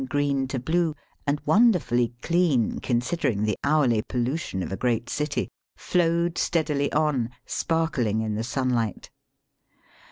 green to blue, and wonderfully clean consider ing the hourly pollution of a great city, flowed steadily on, sparkling in the sunlight.